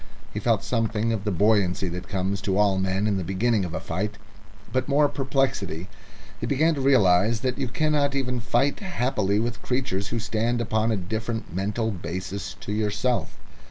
He felt something of the buoyancy that comes to all men in the beginning of a fight, but more perplexity. He began to realise that you cannot even fight happily with creatures who stand upon a different mental basis to yourself.